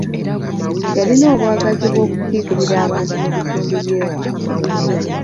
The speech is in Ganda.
Yalina obwagazi bw'okukiikirira abantu mu bitundu by'ewaabwe.